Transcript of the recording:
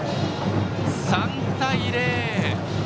３対０。